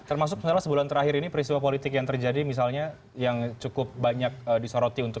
termasuk misalnya sebulan terakhir ini peristiwa politik yang terjadi misalnya yang cukup banyak disoroti untuk